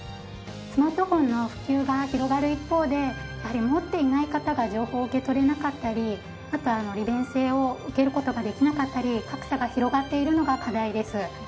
スマートフォンの普及が広がる一方でやはり持っていない方が情報を受け取れなかったりあと利便性を受ける事ができなかったり格差が広がっているのが課題です。